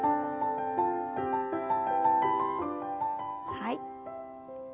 はい。